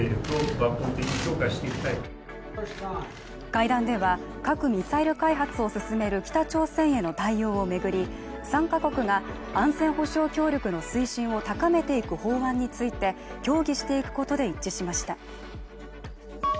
会談では、核・ミサイル開発を進める北朝鮮への対応を巡り３カ国が安全保障協力の水準を高めていく法案について協議していくことで一致しました。